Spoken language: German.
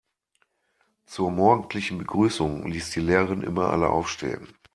Zur morgendlichen Begrüßung ließ die Lehrerin immer alle aufstehen.